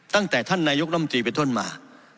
ตั้งแต่ท่านนายกรรมตรีเป็นต้นมา